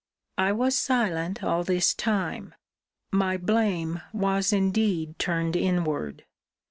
I was silent all this time. My blame was indeed turned inward.